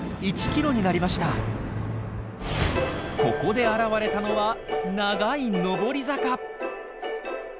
ここで現れたのは長い登り坂。